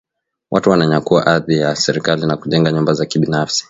Watu wananyakua ardhi ya serikali na kujenga nyumba za kibinafsi